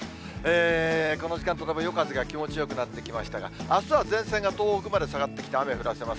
この時間も夜風が気持ちよくなってきましたが、あすは前線が東北まで下がってきて雨降らせます。